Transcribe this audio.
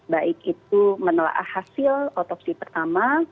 baik itu menelaah hasil otopsi pertama